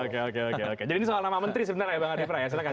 jadi ini soal nama menteri sebenarnya bang arief rayang silahkan